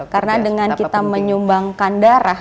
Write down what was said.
karena dengan kita menyumbangkan darah